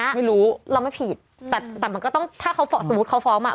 อันนี้เราไม่ผิดแต่มันก็ต้องสมมุติเขาฟ้องมา